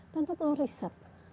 tentu perlu riset